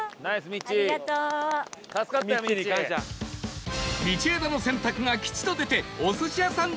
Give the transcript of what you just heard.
道枝の選択が吉と出てお寿司屋さん